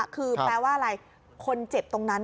คือแปลว่าอะไรคนเจ็บตรงนั้น